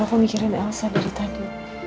aku mikirin elsa dari tadi